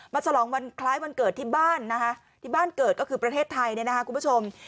ฉลองวันคล้ายวันเกิดที่บ้านนะคะที่บ้านเกิดก็คือประเทศไทยเนี่ยนะคะคุณผู้ชม